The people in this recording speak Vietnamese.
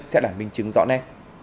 sẽ là minh chứng rõ nè